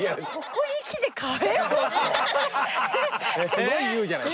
すごい言うじゃない。